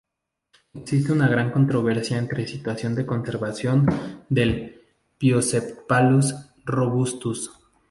Existe una gran controversia entre la situación de conservación del "Poicephalus robustus".